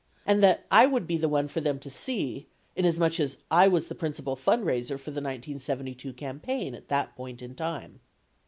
And that I would be the one for them to see, inasmuch as I was the principal fund raiser for the 1972 campaign at that point in time.